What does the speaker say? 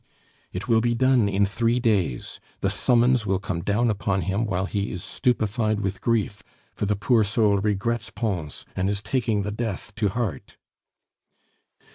"It will be done in three days. The summons will come down upon him while he is stupefied with grief, for the poor soul regrets Pons and is taking the death to heart."